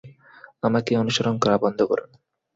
আমাকে অনুসরণ করা বন্ধ করুন।